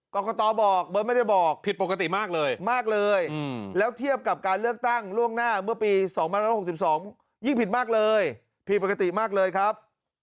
กรกตบอกเบิร์ตไม่ได้บอกผิดปกติมากเลยมากเลยแล้วเทียบกับการเลือกตั้งล่วงหน้าเมื่อปี๒๑๖๒ยิ่งผิดมากเลยผิดปกติมากเลยครับ